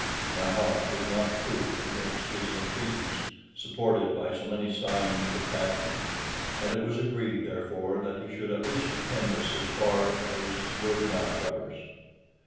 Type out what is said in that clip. My heart was not proof against his entreaties, supported by so many signs of attachment, and it was agreed, therefore, that he should at least attend us as far as Worth Maltravers.